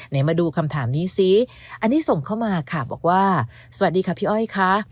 มาดูคำถามนี้ซิอันนี้ส่งเข้ามาค่ะบอกว่าสวัสดีค่ะพี่อ้อยค่ะ